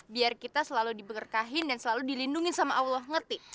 biar kita selalu dibekerkahin dan selalu dilindungi sama allah ngerti